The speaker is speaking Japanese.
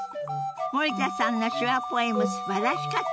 森田さんの手話ポエムすばらしかったわね。